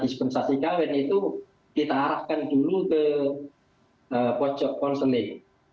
dispensasi kawin itu kita arahkan dulu ke pojok konseling